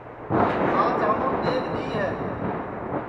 آج ہمون ڈؔیگ دؔی ہے